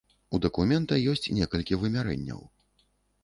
У дакумента ёсць некалькі вымярэнняў.